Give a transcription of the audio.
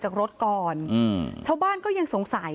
จากรถก่อนอืมชาวบ้านก็ยังสงสัย